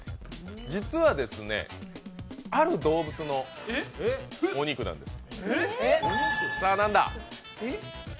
実はですね、ある動物のお肉なんです。